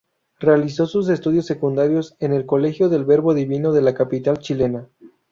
Realizó sus estudios secundarios en el Colegio del Verbo Divino de la capital chilena.